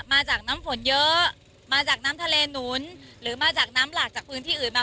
มาจากน้ำฝนเยอะมาจากน้ำทะเลหนุนหรือมาจากน้ำหลากจากพื้นที่อื่นมา